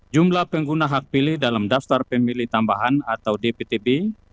jumlah pengguna hak pilih dalam daftar pemilih tambahan atau dptb